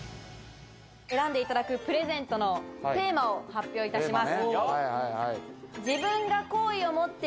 選んでいただくプレゼントのテーマを発表いたします。